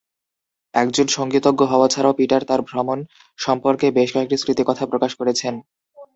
একজন সঙ্গীতজ্ঞ হওয়া ছাড়াও, পিটার তার ভ্রমণ সম্পর্কে বেশ কয়েকটি স্মৃতিকথা প্রকাশ করেছেন।